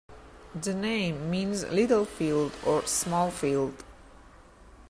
The name means "little field" or "small field".